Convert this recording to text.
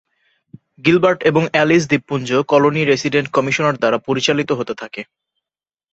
Gilbert এবং Ellis দ্বীপপুঞ্জ colony resident commissioner দ্বারা পরিচালিত হতে থাকে।